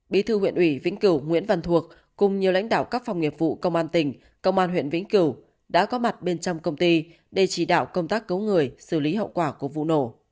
bí thư huyện ủy vĩnh cửu nguyễn văn thuộc cùng nhiều lãnh đạo các phòng nghiệp vụ công an tỉnh công an huyện vĩnh cửu đã có mặt bên trong công ty để chỉ đạo công tác cứu người xử lý hậu quả của vụ nổ